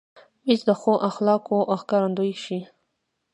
مېز د ښو اخلاقو ښکارندوی شي.